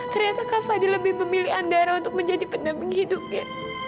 ternyata kak fadil lebih memilih andara untuk menjadi pendamping hidupnya